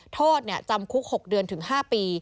โทษจำคุก๖เดือนถึง๕ปี